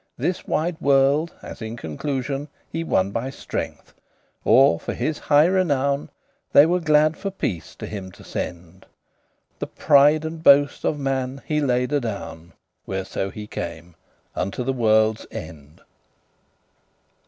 This wide world, as in conclusion, He won by strength; or, for his high renown, They were glad for peace to him to send. The pride and boast of man he laid adown, Whereso he came, unto the worlde's end.